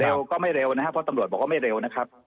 ก็ไม่เร็วนะครับเพราะตำรวจบอกว่าไม่เร็วนะครับ